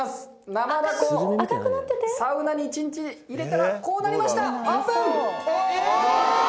生ダコサウナに一日入れたらこうなりましたオープン！